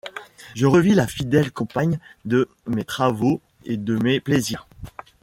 Je revis la fidèle compagne de mes travaux et de mes plaisirs.